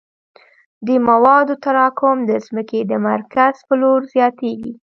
د موادو تراکم د ځمکې د مرکز په لور زیاتیږي